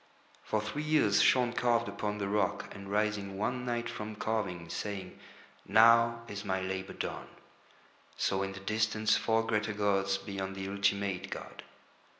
For three years Shaun carved upon the rock, and rising one night from carving, saying: "Now is my labour done," saw in the distance four greater gods beyond the Ultimate god.